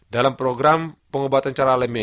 darwin program pengobatan cara lemay